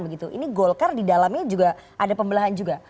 jadi golkar di dalamnya juga ada pembelahan juga